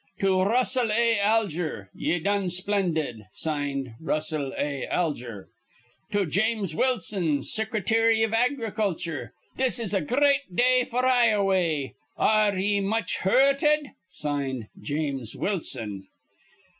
'To Russell A. Alger: Ye done splendid. (Signed) Russell A. Alger.' 'To James Wilson, Sicrety iv Agriculture: This is a gr reat day f'r Ioway. Ar re ye much hur rted? (Signed) James Wilson.'"